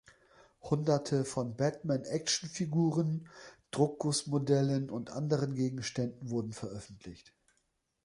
Hunderte von Batman Actionfiguren, Druckgussmodellen und anderen Gegenständen wurden veröffentlicht.